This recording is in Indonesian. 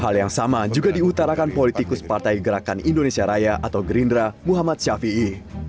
hal yang sama juga diutarakan politikus partai gerakan indonesia raya atau gerindra muhammad syafii ⁇